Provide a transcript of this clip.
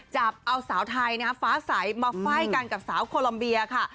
จับเอาสาวไทยฟ้าใสมาไฟ่กันกับสาวโคลัมเบียค่ะ